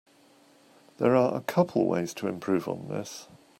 There are a couple ways to improve on this.